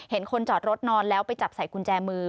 คนจอดรถนอนแล้วไปจับใส่กุญแจมือ